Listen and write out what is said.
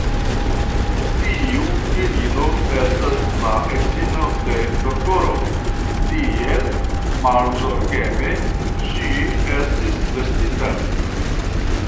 Tiu virino estas la edzino de doktoro, tiel malzorgeme ŝi estis vestita.